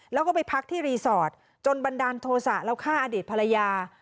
แล้วก็ไปพักที่รีสอร์ทจนบันดาลโทษะแล้วฆ่าอดีตภรรยา